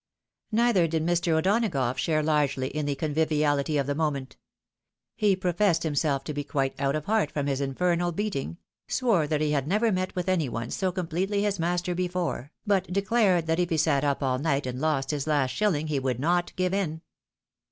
Neither did Mr. O'Donagough share largely in the conviviality of the moment. He professed himself to be qiute out of heart from his infernal beating — swore that he had never met with any one so completely his master before, but declared that if he sat up all night and lost his last shilling he would not give in.